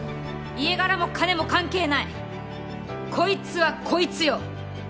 家柄も金も関係ないこいつはこいつよ